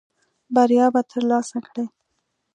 بریا به ترلاسه کړې .